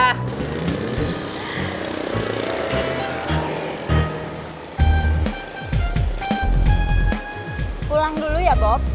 pulang dulu ya bob